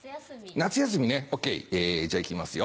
夏休みねＯＫじゃあ行きますよ。